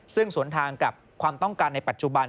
ซึ่งสวนทางกับความต้องการในปัจจุบัน